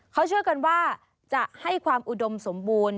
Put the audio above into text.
เขาเชื่อกันว่าจะให้ความอุดมสมบูรณ์